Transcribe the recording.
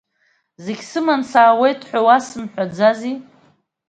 Зегь сыманы саауеит ҳәа уасымҳәаӡази?